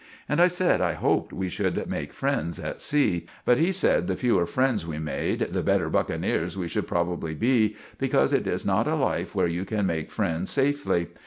And I sed I hoped we should make freends at sea; but he sed the fewer freends we made the better buckeneers we should probbably be, because it is not a life where you can make freends safely.